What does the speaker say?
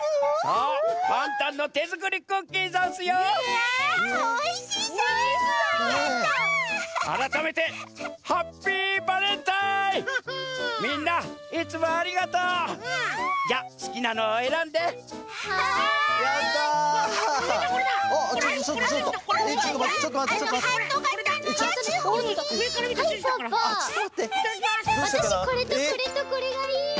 わたしこれとこれとこれがいい。